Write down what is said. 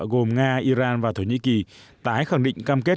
gồm nga iran và thổ nhĩ kỳ tái khẳng định cam kết